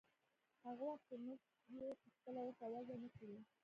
هغه وخت چې موږ يې پخپله ورته وضع نه کړو.